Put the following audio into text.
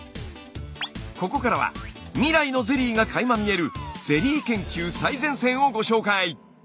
ここからは未来のゼリーがかいま見えるゼリー研究最前線をご紹介！